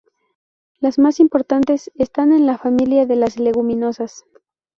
Las más importantes están en la familia de las leguminosas.